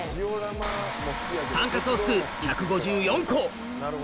参加総数１５４校！